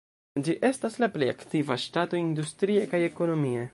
Ĝi estas la plej aktiva ŝtato industrie kaj ekonomie.